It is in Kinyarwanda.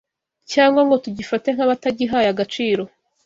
cyangwa ngo tugifate nk’abatagihaye agaciro